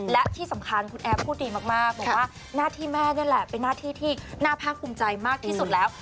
และที่สำคัญคุณแอฟพูดดีมากบอกว่าหน้าที่แม่นี่แหละเป็นหน้าที่ที่น่าภาคภูมิใจมากที่สุดแล้ว